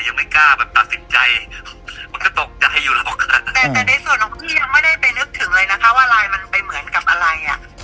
ยังไม่กล้าแบบตัดสินใจมันก็ตกใจอยู่หรอกค่ะแต่แต่ในส่วนของพี่ยังไม่ได้ไปนึกถึงเลยนะคะว่าลายมันไปเหมือนกับอะไรอ่ะ